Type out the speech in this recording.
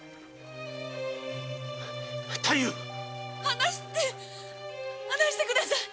離して離してください！